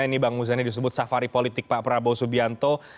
ini bang muzani disebut safari politik pak prabowo subianto